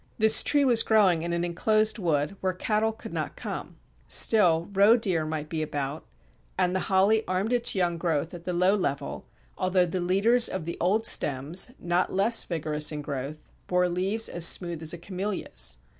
This tree was growing in an enclosed wood where cattle could not come; still, roedeer might be about, and the holly armed its young growth at the low level, although the leaders of the old stems, not less vigorous in growth, bore leaves as smooth as a camellia's.